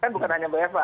kan bukan hanya wfh